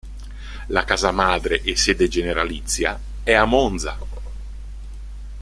La casa madre e sede generalizia è a Monza.